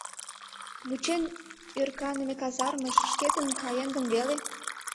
Вучен ӧрканыме казармыш шкетын каен гын веле?»